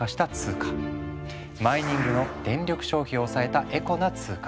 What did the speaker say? マイニングの電力消費を抑えたエコな通貨。